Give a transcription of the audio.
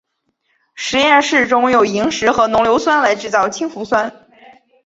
实验室中用萤石和浓硫酸来制造氢氟酸。